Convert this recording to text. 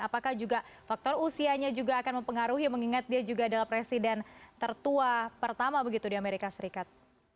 apakah juga faktor usianya juga akan mempengaruhi mengingat dia juga adalah presiden tertua pertama begitu di amerika serikat